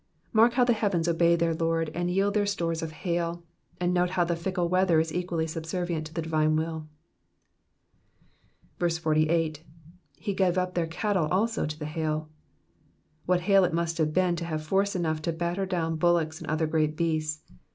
Mark how the heavens obey their Lord and yield their stores of hail, and note how the tickle weather is equally subservient to the divine will. 48. *'/f<5 gave up their cattle also to the haiV^ What hail it must have been to have force enough to batter down bullocks and other great beasts.